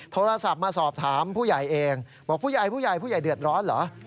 โทรศัพท์มาสอบถามผู้ใหญ่เองบอกผู้ใหญ่ผู้ใหญ่เดือดร้อนเหรอ